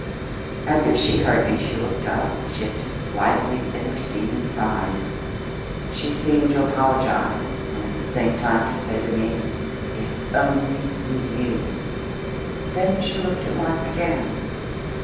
As if she heard me, she looked up, shifted slightly in her seat and sighed. She seemed to apologise and at the same time to say to me, "If only you knew!" Then she looked at life again.